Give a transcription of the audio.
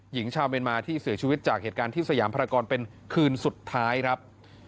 หญิงชาวเมียนมาที่เสียชีวิตจากเหตุการณ์ที่สยามพรากรเป็นคืนสุดท้ายครับ